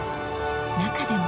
［中でも］